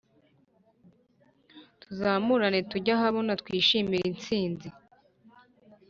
tuzamurane tujye ahabona twishimire instinzi